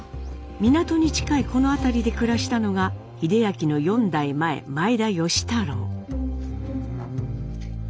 港に近いこの辺りで暮らしたのが英明の４代前前田芳太郎。